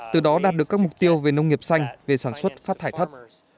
từ đó đạt được các mục tiêu về nông nghiệp xanh về sản xuất phát thải thất